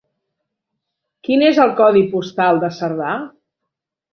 Quin és el codi postal de Cerdà?